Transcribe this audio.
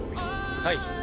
はい。